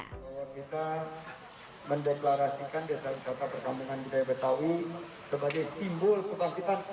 kita mendeklarasikan desa desa persampungan budaya betawi sebagai simbol kebangkitan ekonomi nasional